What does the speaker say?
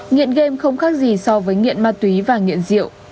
nghiện game không khác gì so với nghiện ma túy và nghiện rượu